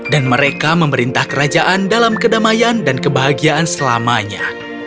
dan mereka memerintah kerajaan dalam kedamaian dan kebahagiaan selamanya